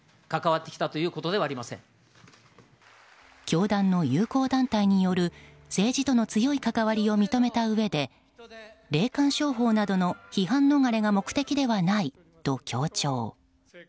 教団の友好団体による政治との強い関わりを認めたうえで霊感商法などの批判逃れが目的ではないと強調。